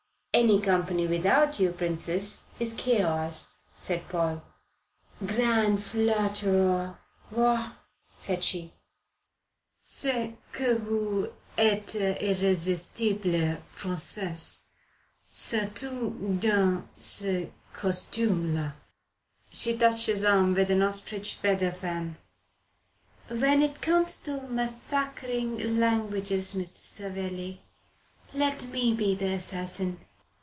"Any company without you, Princess, is chaos," said Paul. "Grand flatteur, va, ' said she. "C'est que vous etes irresistible, Princesse, surlout dans ce costume la." She touched his arm with an ostrich feather fan. "When it comes to massacring languages, Mr. Savelli, let me be the assassin."